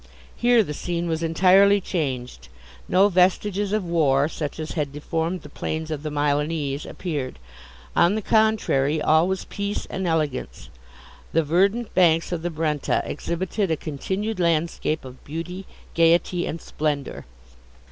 Here the scene was entirely changed; no vestiges of war, such as had deformed the plains of the Milanese, appeared; on the contrary, all was peace and elegance. The verdant banks of the Brenta exhibited a continued landscape of beauty, gaiety, and splendour.